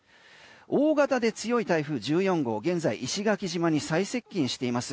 大型で強い台風１４号現在石垣島に最接近しています。